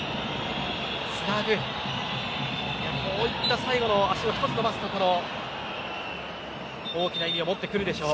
最後の足を１つ伸ばすところ大きな意味を持ってくるでしょう。